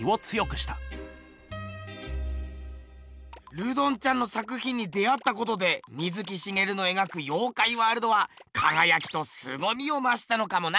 ルドンちゃんの作ひんに出会ったことで水木しげるの描く妖怪ワールドはかがやきとすごみをましたのかもな。